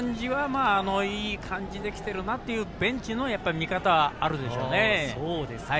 いい感じできてるなというベンチの見方があるでしょうね。